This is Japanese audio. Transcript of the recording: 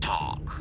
く！